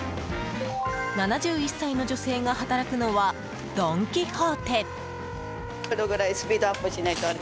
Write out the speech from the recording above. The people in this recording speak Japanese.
７１歳の女性が働くのはドン・キホーテ。